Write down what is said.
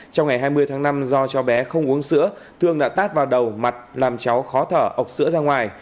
trong ngày hai mươi tháng năm do cho bé không uống sữa thương đã tát vào đầu mặt làm cháu khó thở ốc sữa ra ngoài